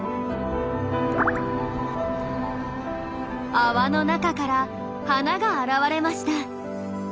泡の中から花が現れました。